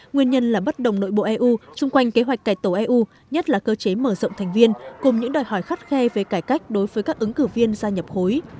nguyên nhân là bất đồng nội bộ eu xung quanh kế hoạch cải tổ eu nhất là cơ chế mở rộng thành viên cùng những đòi hỏi khắt khe về cải cách đối với các ứng cử viên gia nhập khối